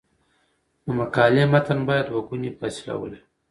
د مقالې متن باید دوه ګونی فاصله ولري.